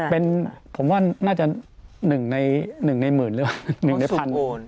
ผมว่าน่าจะ๑ในหมื่นหรือเปล่า๑ในพัน